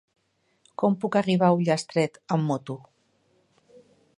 Com puc arribar a Ullastret amb moto?